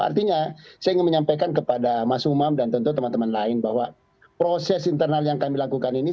artinya saya ingin menyampaikan kepada mas umam dan tentu teman teman lain bahwa proses internal yang kami lakukan ini